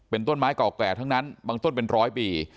เป็นต้นไม้เก่าแก่ทั้งนั้นบางต้นเป็นร้อยปี